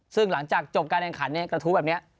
ซึ่งหลังจากจบการแข่งขันเนี่ยกระทู้แบบนี้